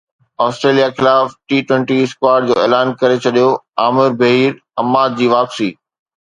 Australia خلاف T twenty squad جو اعلان ڪري ڇڏيو عامر بهير عماد جي واپسي